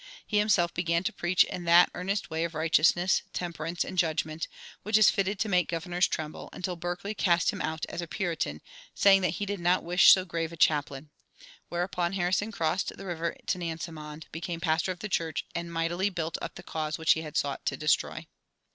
He himself began to preach in that earnest way of righteousness, temperance, and judgment, which is fitted to make governors tremble, until Berkeley cast him out as a Puritan, saying that he did not wish so grave a chaplain; whereupon Harrison crossed the river to Nansemond, became pastor of the church, and mightily built up the cause which he had sought to destroy.